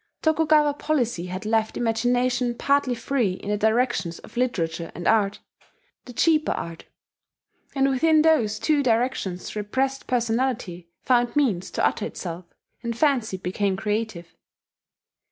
Tokugawa policy had left imagination partly free in the directions of literature and art the cheaper art; and within those two directions repressed personality found means to utter itself, and fancy became creative.